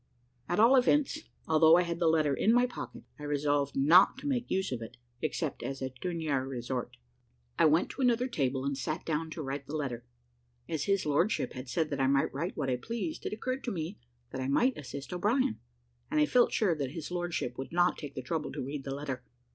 At all events, although I had the letter in my pocket, I resolved not to make use of it except as a dernier resort. I went to another table, and sat down to write the letter. As his lordship had said that I might write what I pleased, it occurred to me that I might assist O'Brien, and I felt sure that his lordship would not take the trouble to read the letter.